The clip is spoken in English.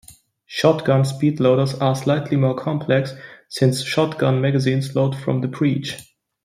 Shotgun speedloaders are slightly more complex, since shotgun magazines load from the breech.